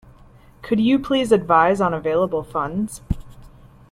Could you please advise on available funds?